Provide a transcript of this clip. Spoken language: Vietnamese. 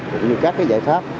cũng như các giải pháp